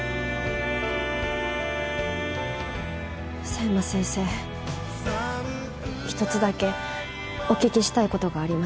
佐山先生一つだけお聞きしたい事があります。